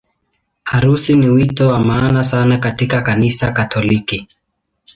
Harusi ni wito wa maana sana katika Kanisa Katoliki.